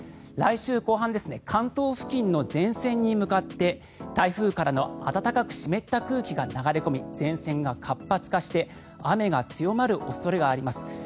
来週後半関東付近の前線に向かって台風からの暖かく湿った空気が流れ込み前線が活発化して雨が強まる恐れがあります。